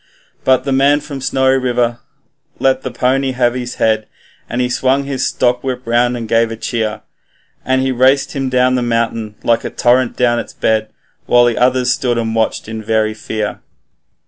But the man from Snowy River let the pony have his head, And he swung his stockwhip round and gave a cheer, And he raced him down the mountain like a torrent down its bed, While the others stood and watched in very fear.